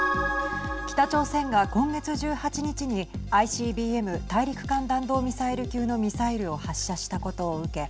北朝鮮が今月１８日にＩＣＢＭ＝大陸間弾道ミサイル級のミサイルを発射したことを受け